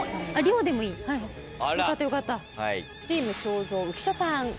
チーム正蔵浮所さん。